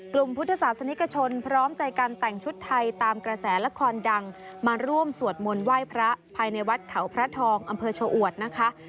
พุทธศาสนิกชนพร้อมใจการแต่งชุดไทยตามกระแสละครดังมาร่วมสวดมนต์ไหว้พระภายในวัดเขาพระทองอำเภอชะอวดนะคะ